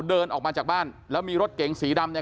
เดินออกมาจากบ้านแล้วมีรถเก๋งสีดำเนี่ย